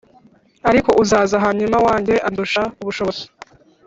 ariko uzaza hanyuma yanjye andusha ubushobozi,